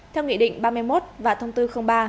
theo nghị định ba mươi một và thông tư ba